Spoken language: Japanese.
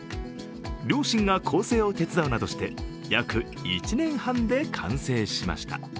両親が校正を手伝うなどして、約１年半で完成しました。